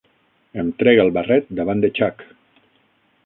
Em trec el barret davant de Chuck.